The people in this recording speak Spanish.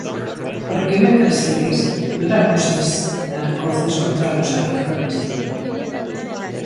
¿por qué me persigues? Dura cosa te es dar coces contra los aguijones.